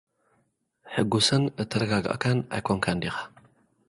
ሕጉስን ዝተረጋጋእካን ኣይኮንካን ዲኻ?